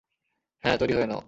হ্যাঁ, তৈরি হয়ে নাও।